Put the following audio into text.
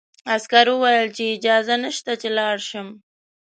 عسکر وویل چې اجازه نشته چې لاړ شم.